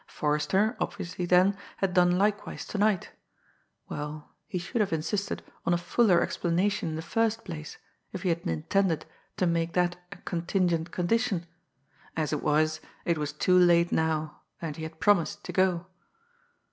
Forrester, obviously then, had done likewise to night. Well, he should have insisted on a fuller explanation in the first place if he had intended to make that a contingent condition; as it was, it was too late now, and he had promised to go.